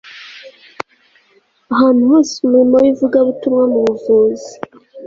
Ahantu hose umurimo wivugabutumwa mu buvuzi